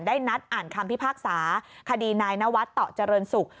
นัดอ่านคำพิพากษาคดีนายนวัดต่อเจริญศุกร์